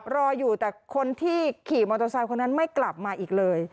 รออยู่แต่คนที่ขี่มอเตอร์ไซค์คนนั้นไม่กลับมาอีกเลย